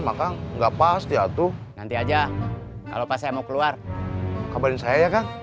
makan enggak pasti atuh nanti aja kalau pas saya mau keluar kabarin saya ya ya